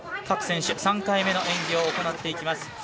各選手、３回目の演技を行っていきます。